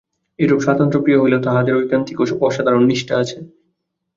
এইরূপ স্বাতন্ত্র্য-প্রিয় হইলেও তাহাদের ঐকান্তিক ও অসাধারণ নিষ্ঠা আছে।